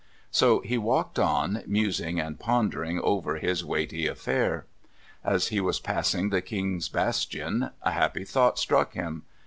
So he walked on, musing and pondering over his weighty affair. As he was passing the King's Bastion a happy thought struck him.